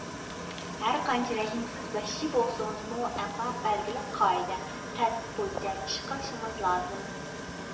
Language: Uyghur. ھەر قانچە رەھىمسىز، ۋەھشىي بولسىڭىزمۇ، ئەمما بەلگىلىك قائىدە، تەرتىپ بويىچە ئىش قىلىشىڭىز لازىم.